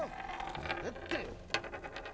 わかったよ！